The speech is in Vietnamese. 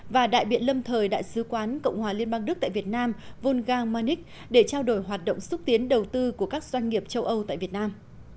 và đại biện lâm thời đại sứ quán cộng hòa liên bang đức tại việt nam volga manik để trao đổi hoạt động xúc tiến đầu tư của các doanh nghiệp châu âu tại việt nam